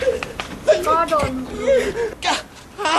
ก็โดนรุ้ง